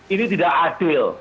ini tidak adil